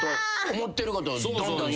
思ってることをどんどん。